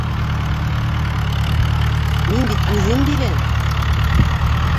Мин бит үҙем бирәм!